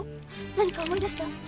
何か思い出した？